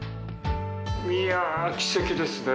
いやー、奇跡ですね。